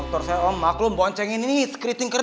nanti kalo jadi marketing itu udah sih jano